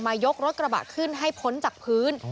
ยกรถกระบะขึ้นให้พ้นจากพื้น